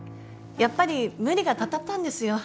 やっぱり無理がたたったんですよ。